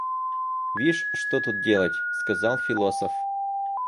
Вишь, что тут делать? — сказал философ.